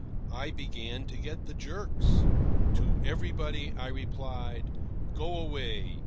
I began to get the "jerks." To everybody I replied: "Go away.